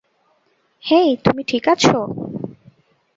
হেই, তুমি ঠিক আছো?